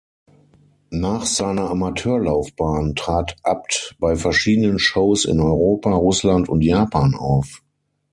Nach seiner Amateurlaufbahn trat Abt bei verschiedenen Shows in Europa, Russland und Japan auf.